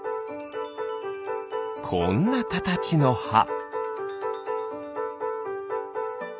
こんなかたちのは。